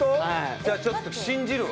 じゃあちょっと信じるわ。